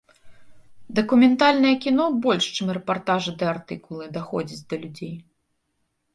Дакументальнае кіно больш чым рэпартажы ды артыкулы даходзіць да людзей.